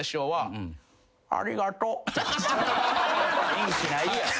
元気ないやん。